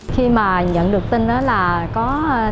khi mà nhận được tin đó là có xe xét nghiệm lưu động